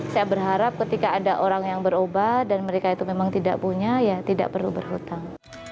saya berharap ketika ada orang yang berubah dan mereka itu memang tidak punya ya tidak perlu berhutang